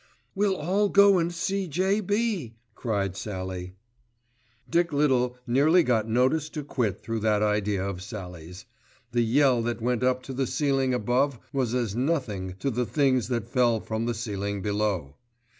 "We'll all go and see J.B.," cried Sallie. Dick Little nearly got notice to quit through that idea of Sallie's. The yell that went up to the ceiling above was as nothing to the things that fell from the ceiling below.